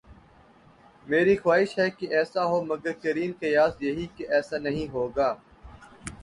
میری خواہش ہے کہ ایسا ہو مگر قرین قیاس یہی کہ ایسا نہیں ہو گا۔